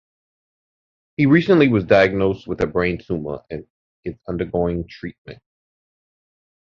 He recently was diagnosed with a brain tumor, and is undergoing treatment.